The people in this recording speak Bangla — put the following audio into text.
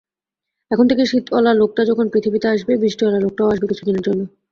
এখন থেকে শীতঅলা লোকটা যখন পৃথিবীতে আসবে, বৃষ্টিঅলা লোকটাও আসবে কিছুদিনের জন্য।